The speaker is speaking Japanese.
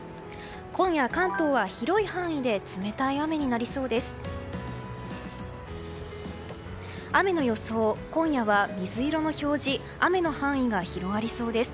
今夜、関東は広い範囲で冷たい雨になりそうです。